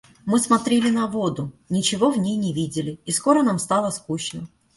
Мы смотрели на воду, ничего в ней не видели, и скоро нам стало скучно.